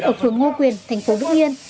ở phương ngô quyền thành phố vĩnh yên